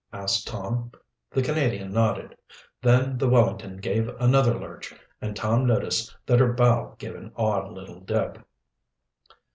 asked Tom. The Canadian nodded. Then the Wellington gave another lurch, and Tom noticed that her bow gave an odd little dip.